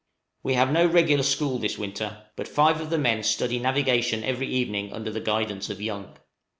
We have no regular school this winter, but five of the men study navigation every evening under the guidance of Young.